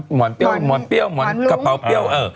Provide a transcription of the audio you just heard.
หมอนเปรี้ยวหมอนปือเต็มป็อตเปรี้ยว